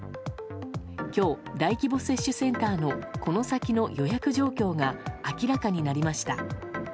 今日、大規模接種センターのこの先の予約状況が明らかになりました。